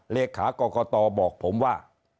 เลขากรกตบอกผมว่า